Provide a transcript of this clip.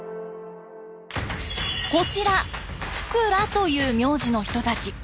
こちら福羅という名字の人たち。